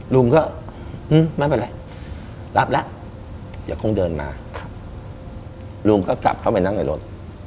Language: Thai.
ลุงก็ไม่เป็นไรรับแล้วเดี๋ยวคงเดินมาลุงก็กลับเข้าไปนั่งในรถ